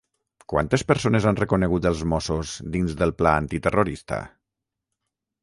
Quantes persones han reconegut els Mossos dins del Pla antiterrorista?